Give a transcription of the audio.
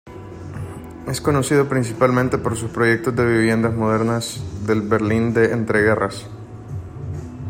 Es conocido principalmente por sus proyectos de viviendas modernas del Berlín de entreguerras.